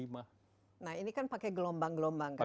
nah ini kan pakai gelombang gelombang kan